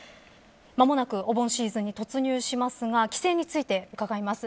間もなくお盆シーズンに突入しますが帰省について伺います。